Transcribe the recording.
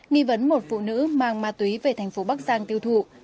nghi vấn một phụ nữ mang ma túy về thành phố bắc giang tiêu thụ